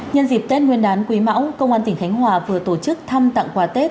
nhân dịp tết nguyên đán quý mão công an tỉnh khánh hòa vừa tổ chức thăm tặng quà tết